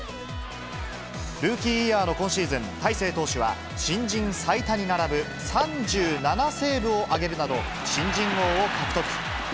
ルーキーイヤーの今シーズン、大勢投手は、新人最多に並ぶ３７セーブを挙げるなど、新人王を獲得。